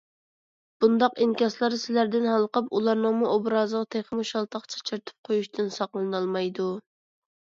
بۇنداق ئىنكاسلار سىلەردىن ھالقىپ ئۇلارنىڭمۇ ئوبرازىغا تېخىمۇ شالتاق چاچرىتىپ قويۇشتىن ساقلىنالمايدۇ.